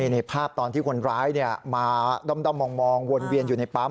ในภาพตอนที่คนร้ายมาด้อมมองวนเวียนอยู่ในปั๊ม